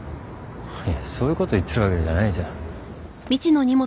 いやそういうこと言ってるわけじゃないじゃん。